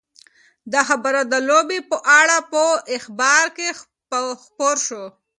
دا خبر د لوبې په اړه په اخبار کې خپور شو.